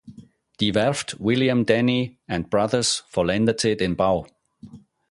Die Werft William Denny and Brothers vollendete den Bau.